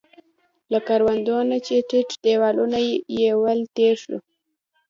له کروندو نه چې ټیټ دیوالونه يې ول، تېر شوو.